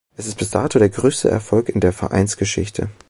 Es ist bis dato der größte Erfolg in der Vereinsgeschichte.